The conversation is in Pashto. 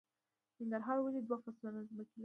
ننګرهار ولې دوه فصله ځمکې لري؟